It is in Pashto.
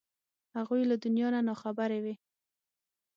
هغوی له دنیا نه نا خبرې وې.